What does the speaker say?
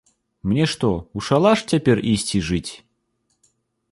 Мне што, у шалаш цяпер ісці жыць?